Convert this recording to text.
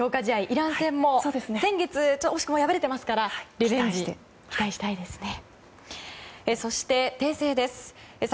イラン戦も先月、惜しくも敗れていますからリベンジを期待したいですね。